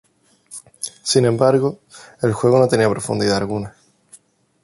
Sin embargo, el juego no tenía profundidad alguna.